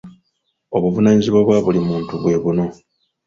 Obuvunaanyizibwa bwa buli muntu bwebuno.